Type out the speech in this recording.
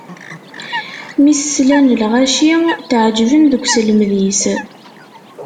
Mi s-slan lɣaci, tɛeǧǧben deg uselmed-is.